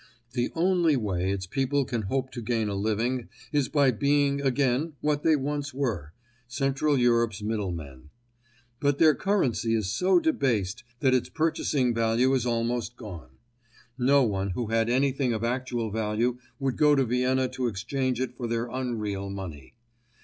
The only way its people can hope to gain a living is by being again, what they once were, Central Europe's middlemen. But their currency is so debased that its purchasing value is almost gone. No one who had anything of actual value would go to Vienna to exchange it for their unreal money.